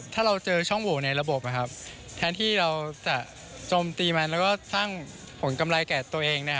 ถ้าเราเจอช่องโหวในระบบแทนที่เราจะโจมตีมันแล้วก็สร้างผลกำไรแก่ตัวเอง